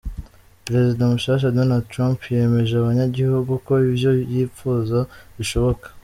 Prezida mushasha Donald Trump yemeje abanyagihugu ko ivyo yipfuza bishoboka.